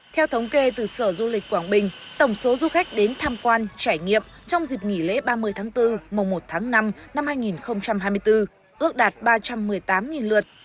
theo thống kê từ sở du lịch quảng bình tổng số du khách đến tham quan trải nghiệm trong dịp nghỉ lễ ba mươi tháng bốn mùa một tháng năm năm hai nghìn hai mươi bốn ước đạt ba trăm một mươi tám lượt